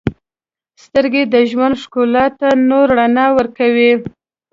• سترګې د ژوند ښکلا ته نور رڼا ورکوي.